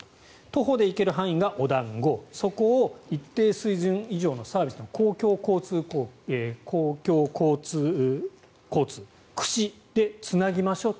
徒歩で行ける範囲がお団子そこを一定水準以上のサービスの公共交通、串でつなぎましょう。